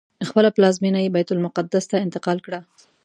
خپله پلازمینه یې بیت المقدس ته انتقال کړه.